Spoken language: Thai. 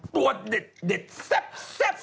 ตัวเด็ดแซ่บ